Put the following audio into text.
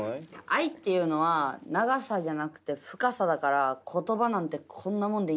愛っていうのは長さじゃなくて深さだから言葉なんてこんなもんでいいんだよ。